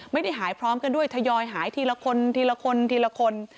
ไม่ได้หายพร้อมกันด้วยทยอยหายทีละคนทีละคนทีละคน